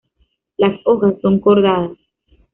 Las hojas son cordadas.